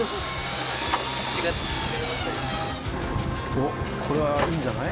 おっこれはいいんじゃない？